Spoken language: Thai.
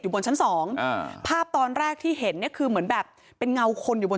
บนชั้นสองอ่าภาพตอนแรกที่เห็นเนี่ยคือเหมือนแบบเป็นเงาคนอยู่บน